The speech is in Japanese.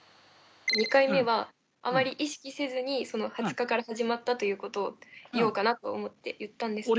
２回目はあまり意識せずに２０日から始まったということを言おうかなと思って言ったんですけども。